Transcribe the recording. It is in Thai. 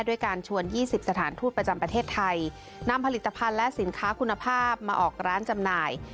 ด้วยการชวน๒๐สถานทูตประจำประเทศไทยนำผลิตภัณฑ์และสินค้าคุณภาพมาออกร้านจำหน่าย